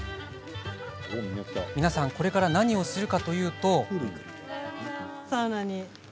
皆さん、これから何をするかというと。